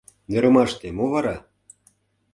Нӧрымаште мо вара!